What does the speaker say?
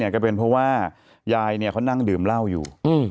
ก็เป็นเพราะว่ายายเขานั่งดื่มเหล้าอยู่